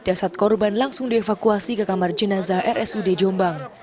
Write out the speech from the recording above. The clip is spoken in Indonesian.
jasad korban langsung dievakuasi ke kamar jenazah rsud jombang